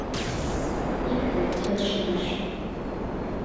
Икте — келшымаш.